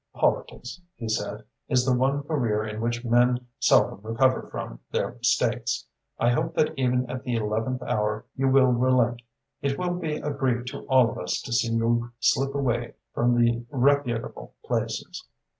"Politics," he said, "is the one career in which men seldom recover from their mistakes. I hope that even at the eleventh hour you will relent. It will be a grief to all of us to see you slip away from the reputable places."